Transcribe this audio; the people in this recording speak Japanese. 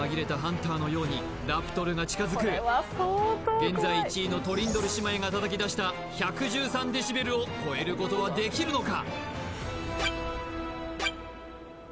現在１位のトリンドル姉妹が叩き出した１１３デシベルを超えることはできるのか？